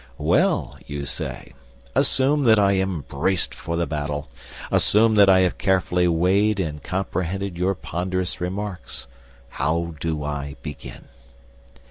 "Well," you say, "assume that I am braced for the battle. Assume that I have carefully weighed and comprehended your ponderous remarks; how do I begin?"